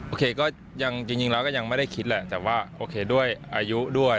ก็ยังจริงแล้วก็ยังไม่ได้คิดแหละแต่ว่าโอเคด้วยอายุด้วย